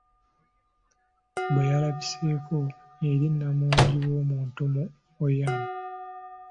Bwe yalabiseeko eri namungi w'omuntu mu Oyam.